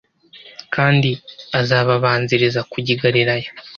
kandi azababanziriza kujya i Galilaya